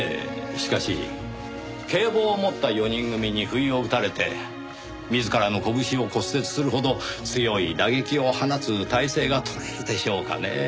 しかし警棒を持った４人組に不意を打たれて自らの拳を骨折するほど強い打撃を放つ体勢がとれるでしょうかねぇ？